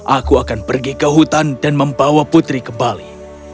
aku akan pergi ke hutan dan membawa putri kembali